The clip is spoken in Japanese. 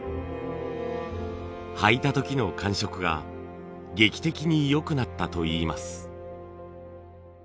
履いた時の感触が劇的に良くなったといいます。